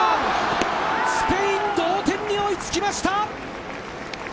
スペイン、同点に追いつきました。